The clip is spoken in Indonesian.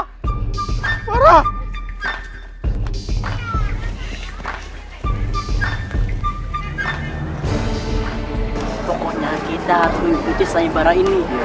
pokoknya kita harus ikuti saing barah ini